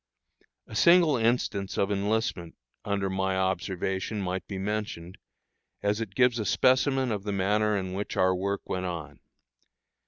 A single instance of enlistment under my observation might be mentioned, as it gives a specimen of the manner in which our work went on.